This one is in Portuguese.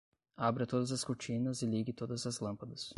Abra todas as cortinas e ligue todas as lâmpadas